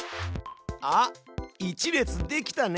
あっ１列できたね。